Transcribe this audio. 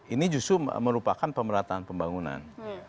ini justru merupakan pemerataan pembangunan